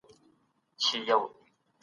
دستي مي مبایل روښانه کړ او کار مي شروع کړ.